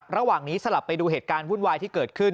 ระหว่างนี้สลับไปดูเหตุการณ์วุ่นวายที่เกิดขึ้น